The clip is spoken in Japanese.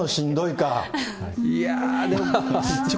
いやー、でも。